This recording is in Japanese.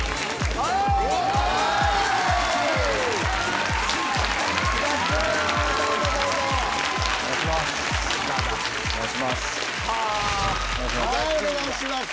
はいお願いします。